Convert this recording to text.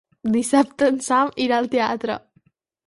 Dissabte en Sam irà al teatre.